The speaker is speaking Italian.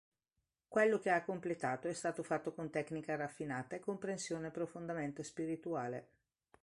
Quello che ha completato è stato fatto con tecnica raffinata e comprensione profondamente spirituale”.